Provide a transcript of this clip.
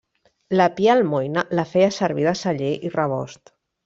La Pia Almoina la feia servir de celler i rebost.